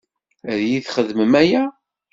Ad iyi-txedmem aya?